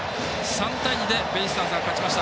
３対２でベイスターズが勝ちました。